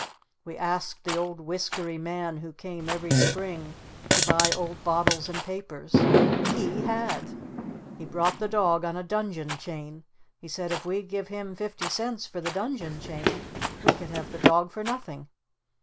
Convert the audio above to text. We asked the old whiskery man who came every Spring to buy old bottles and papers. HE HAD! He brought the dog on a dungeon chain. He said if we'd give him fifty cents for the dungeon chain we could have the dog for nothing.